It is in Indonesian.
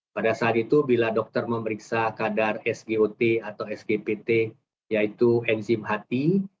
pada saat itu bila dokter memeriksa kadar sgot atau sgpt yaitu enzim hati